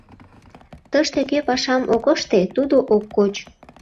Тыште кӧ пашам ок ыште, тудо ок коч.